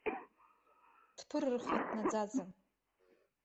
Дԥырырхит наӡаӡа!